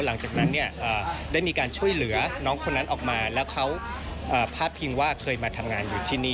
หลังจากนั้นเนี่ยได้มีการช่วยเหลือน้องคนนั้นออกมาแล้วเขาพาดพิงว่าเคยมาทำงานอยู่ที่นี่